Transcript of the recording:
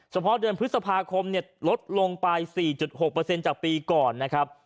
เฉพาะเดือนพฤษภาคมลดลงไป๔๖เปอร์เซ็นต์จากปีก่อนนะครับ